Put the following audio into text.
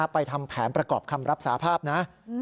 ทำแผนประกอบคำรับสาภาพนะ